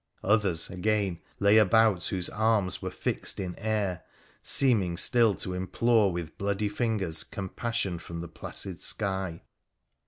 Others, again, lay about whose arms were fixed in air, seeming still to implore with bloody fingers compassion from the placid sky.